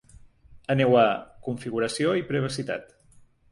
Aneu a ‘Configuració i privacitat’.